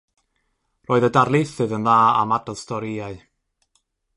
Roedd y darlithydd yn dda am adrodd storïau.